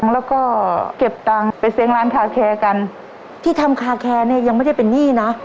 แล้วก็เก็บตังค์ไปเซ้งร้านคาแคร์กันที่ทำคาแคร์เนี่ยยังไม่ได้เป็นหนี้นะ